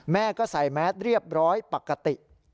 แม่ก็ใส่แมสเรียบร้อยปกติ